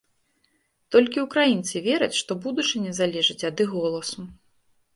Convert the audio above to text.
Толькі ўкраінцы вераць, што будучыня залежыць ад іх голасу.